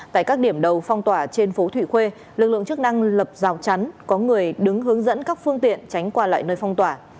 tại các điểm đầu phong tỏa trên phố thụy khuê lực lượng chức năng lập rào chắn có người đứng hướng dẫn các phương tiện tránh qua lại nơi phong tỏa